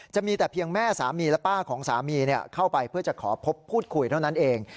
จะมีแต่เพียงแม่สามีและป้าของสามีเข้าไปเพื่อจะขอพบพูดคุยเท่านั้นเอง